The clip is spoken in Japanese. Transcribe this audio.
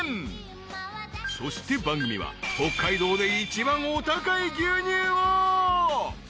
［そして番組は北海道で一番お高い牛乳を］